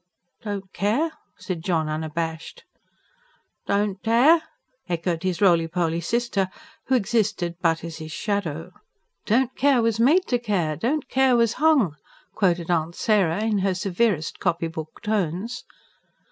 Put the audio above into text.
"Don' care!" said John, unabashed. "Don' tare!" echoed his roly poly sister, who existed but as his shadow. "Don't care was made to care, don't care was hung!" quoted Aunt Sarah in her severest copybook tones.